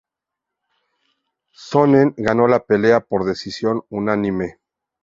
Sonnen ganó la pelea por decisión unánime.